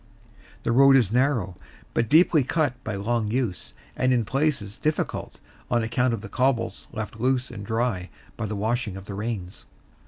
The road is narrow, but deeply cut by long use, and in places difficult on account of the cobbles left loose and dry by the washing of the rains.